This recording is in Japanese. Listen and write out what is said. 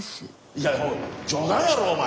いやおい冗談やろお前！